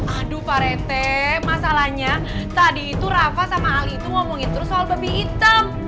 aduh pak rete masalahnya tadi itu rafa sama ali itu ngomongin terus soal babi hitam